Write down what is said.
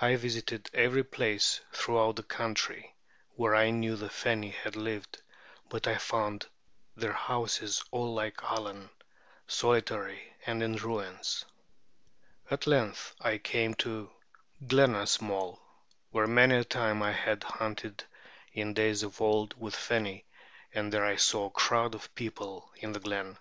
I visited every place throughout the country where I knew the Feni had lived; but I found their houses all like Allen, solitary and in ruins. At length I came to Glenasmole,[B] where many a time I had hunted in days of old with the Feni, and there I saw a crowd of people in the glen.